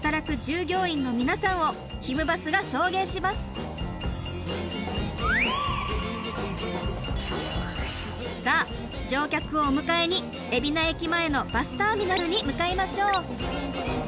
そこで今回さあ乗客をお迎えに海老名駅前のバスターミナルに向かいましょう！